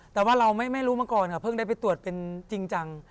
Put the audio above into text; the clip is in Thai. แต่ว่าเราไม่รู้มาก่อนค่ะเพิ่งได้ไปตรวจเป็นจริงจัง